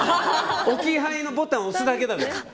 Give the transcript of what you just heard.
置き配のボタン押すだけだから。